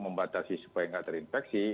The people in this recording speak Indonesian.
membatasi supaya nggak terinfeksi